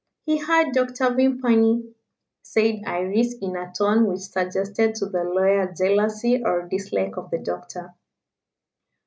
"He had Dr. Vimpany," said Iris, in a tone which suggested to the lawyer jealousy or dislike of the doctor.